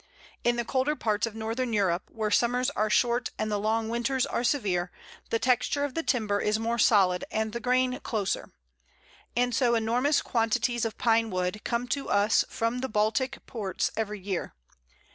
In the colder parts of Northern Europe, where summers are short and the long winters are severe, the texture of the timber is more solid and the grain closer. And so enormous quantities of Pine wood come to us from the Baltic ports every year.